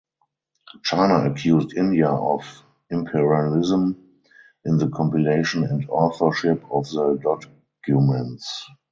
China accused India of "imperialism" in the compilation and authorship of the documents.